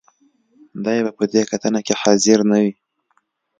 دې به په دې کتنه کې حاضر نه وي.